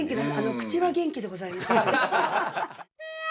口は元気でございます。